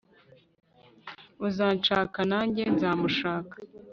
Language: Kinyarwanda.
uzanshaka nanjye nzamushaka